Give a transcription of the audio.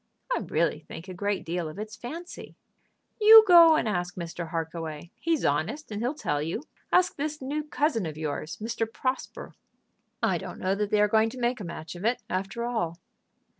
"I really think a great deal of it's fancy." "You go and ask Mr. Harkaway. He's honest, and he'll tell you. Ask this new cousin of yours, Mr. Prosper." "I don't know that they are going to make a match of it, after all."